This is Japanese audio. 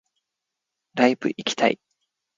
ライブ行きたい